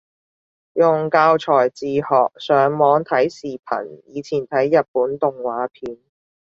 用教材自學，上網睇視頻，以前睇日本動畫片